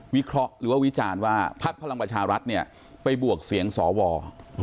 เคราะห์หรือว่าวิจารณ์ว่าพักพลังประชารัฐเนี่ยไปบวกเสียงสว